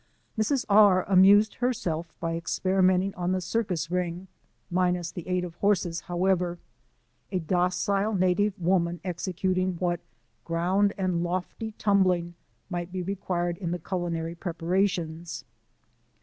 Mrs. R amused herself by experimenting on the circus ring — minus the aid of horses, however — a docile native woman executing what •' ground and lofty tumbling" might be required in the culinary preparations.